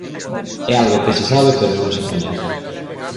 É algo que se sabe pero non se coñece.